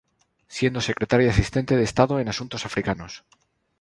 Siendo secretaria asistente de Estado en Asuntos Africanos.